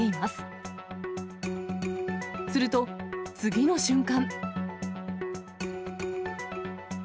すると、次の瞬間。